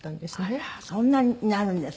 あらそんなになるんですか。